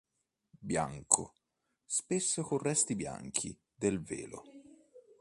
Bianco, spesso con resti bianchi del velo.